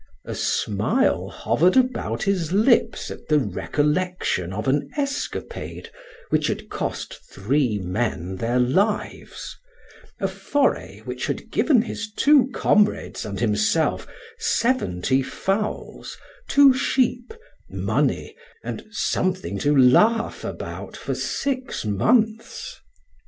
A smile hovered about his lips at the recollection of an escapade which had cost three men their lives, a foray which had given his two comrades and himself seventy fowls, two sheep, money, and something to laugh about for six months.